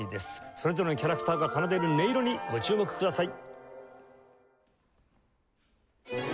それぞれのキャラクターが奏でる音色にご注目ください。